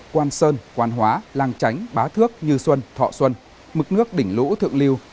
quan sơn quan hóa làng chánh bá thước như xuân thọ xuân mực nước đỉnh lũ thượng liêu